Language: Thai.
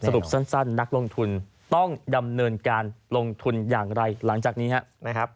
สั้นนักลงทุนต้องดำเนินการลงทุนอย่างไรหลังจากนี้ครับ